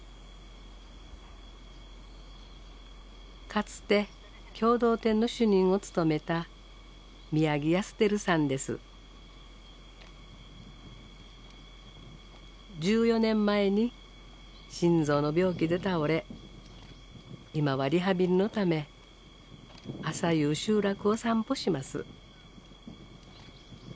かつて共同店の主任を務めた１４年前に心臓の病気で倒れ今はリハビリのため朝夕集落を散歩します。